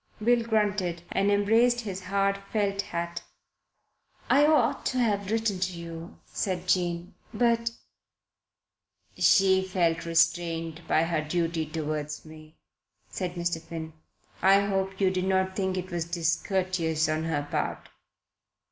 Bill grunted and embraced his hard felt hat. "I ought to have written to you," said Jane "but " "She felt restrained by her duty towards me," said Mr. Finn. "I hope you did not think it was discourteous on her part."